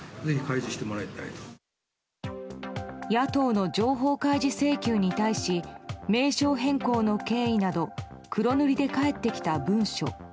野党の情報開示請求に対し名称変更の経緯など黒塗りで返ってきた文書。